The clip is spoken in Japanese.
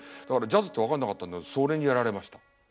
だからジャズって分かんなかったんだけどそれにやられました。